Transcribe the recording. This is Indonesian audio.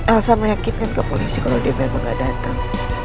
elosa meyakinkan ke polisi kalau dia bener gak datang